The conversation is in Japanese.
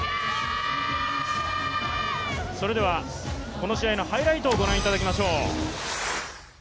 それでは、この試合のハイライトをご覧いただきましょう。